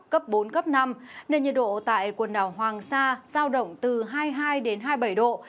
cấp bốn cấp năm nền nhiệt độ tại quần đảo hoàng sa giao động từ hai mươi hai đến hai mươi bảy độ